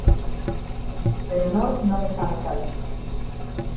Pero nós non estamos alí.